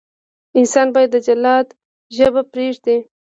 انسان باید د جلاد ژبه پرېږدي.